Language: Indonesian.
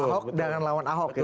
ahok dan yang lawan ahok